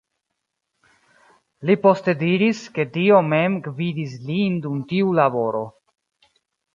Li poste diris, ke Dio mem gvidis lin dum tiu laboro.